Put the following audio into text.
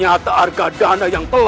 ya geng dong ke